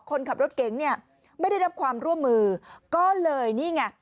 คนขับรถเก๋งเนี่ยไม่ได้รับความร่วมมือก็เลยนี่ไง